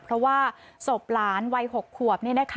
เพราะว่าศพหลานวัย๖ขวบ